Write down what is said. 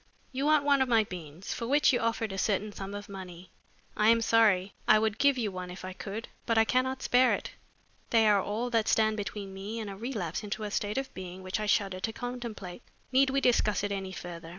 "You want one of my beans, for which you offered a certain sum of money. I am sorry. I would give you one if I could, but I cannot spare it. They are all that stand between me and a relapse into a state of being which I shudder to contemplate. Need we discuss it any further?